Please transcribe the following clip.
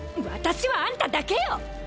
私はあんただけよ！